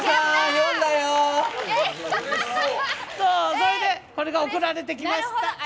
それでこれで送られてきました。